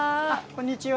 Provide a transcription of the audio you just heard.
こんにちは。